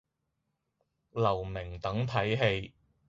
留名等睇戲